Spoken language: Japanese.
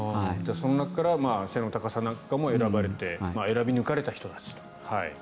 その中から背の高さなんかも考えて選び抜かれた人たちと。